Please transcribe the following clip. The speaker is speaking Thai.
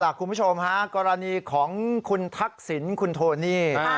คุณผู้ชมฮะกรณีของคุณทักษิณคุณโทนี่